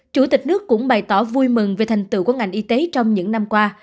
chủ tịch nước cũng bày tỏ vui mừng về thành tựu của ngành y tế trong những năm qua